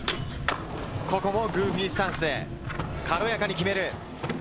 ここもグーフィースタンスで軽やかに決める。